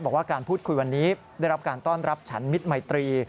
บอกว่าการพูดคุยวันนี้ได้รับการต้อนรับฉันมิตรมัยตรี